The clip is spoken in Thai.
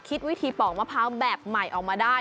คิดวิธีปอกมะพร้าวแบบใหม่ออกมาได้